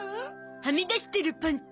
はみ出してるパンツ。